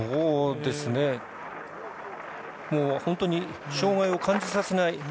もう障がいを感じさせない